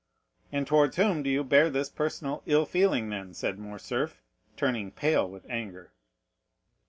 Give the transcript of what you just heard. "And towards whom do you bear this personal ill feeling, then?" said Morcerf, turning pale with anger.